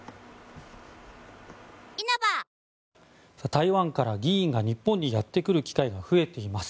台湾から議員が日本にやってくる機会が増えています。